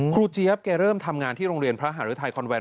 เจี๊ยบแกเริ่มทำงานที่โรงเรียนพระหารุทัยคอนแวน